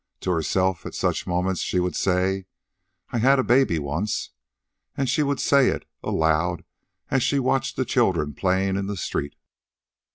To herself, at such moments, she would say, "I had a baby once." And she would say it, aloud, as she watched the children playing in the street.